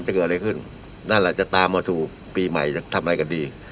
เกิดอะไรขึ้นนั่นแหละจะตามมาสู่ปีใหม่จะทำอะไรกันดี